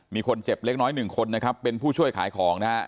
มีคนเจ็บเล็กน้อยหนึ่งคนนะครับเป็นผู้ช่วยขายของนะฮะ